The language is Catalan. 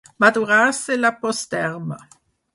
Madurar-se la posterma.